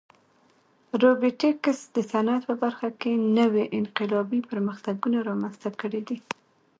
روبوټیکس د صنعت په برخه کې نوې انقلابي پرمختګونه رامنځته کړي دي.